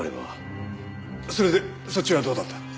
それでそっちはどうだった？